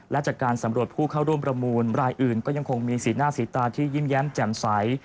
และจากการสำรวจผู้เข้าร่วมประมูลรายอื่นก็ยังคงมีสีหน้าสีตาที่ยิ้มแย้มแจ่มใส